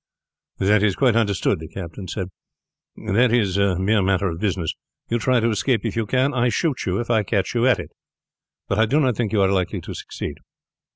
"That is quite understood," the captain said. "That is a mere matter of business. You try to escape if you can; I shoot you if I catch you at it. But I do not think you are likely to succeed.